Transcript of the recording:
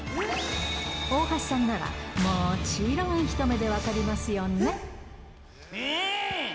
大橋さんならもちろん一目で分かりますよね。